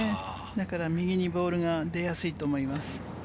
だから右にボールが出やすいと思います。